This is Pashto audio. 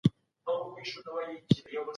د جګړي له امله ډېر خلک بي کاره سول.